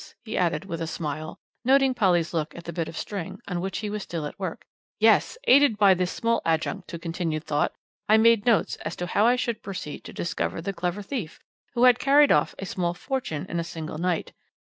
he added with a smile, noting Polly's look at the bit of string, on which he was still at work, "yes! aided by this small adjunct to continued thought I made notes as to how I should proceed to discover the clever thief, who had carried off a small fortune in a single night.